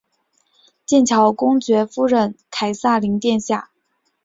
剑桥公爵夫人凯萨琳殿下。